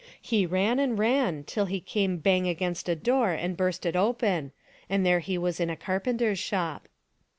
He ran and ran till he came bang against a door and burst it open, and there he was in a carpenter's shop.